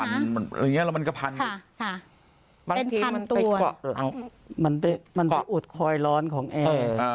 ไม่หยุดคอยร้อนของแอร์